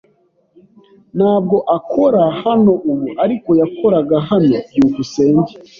Ntabwo akora hano ubu, ariko yakoraga hano. byukusenge